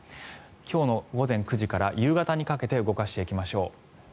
今日の午前９時から夕方にかけて動かしていきましょう。